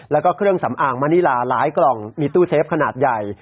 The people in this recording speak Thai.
แล้วก็เครื่องสำอางมะนิลาหลายกล่องมีตู้เซฟขนาดใหญ่